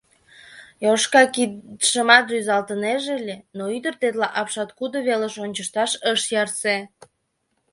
Йошка кидшымат рӱзалтынеже ыле, но ӱдыр тетла апшаткудо велыш ончышташ ыш ярсе.